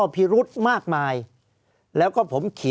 ภารกิจสรรค์ภารกิจสรรค์